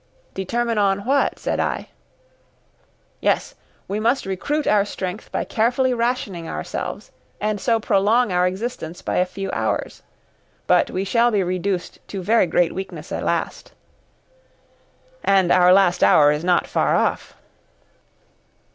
"Determine on what?" said I. "Yes, we must recruit our strength by carefully rationing ourselves, and so prolong our existence by a few hours. But we shall be reduced to very great weakness at last." "And our last hour is not far off."